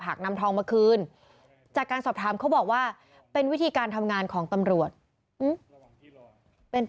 เป็นวิธีการของกำหนด